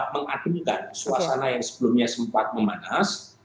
mengadukan suasana yang sebelumnya sempat memanas